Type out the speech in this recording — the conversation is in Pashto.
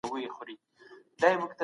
نوي میتودونه په تولید کي کارول کیږي.